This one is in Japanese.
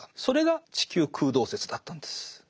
それが地球空洞説だったんです。